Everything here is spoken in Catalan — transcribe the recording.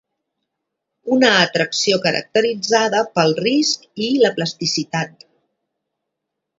Una atracció caracteritzada pel risc i la plasticitat.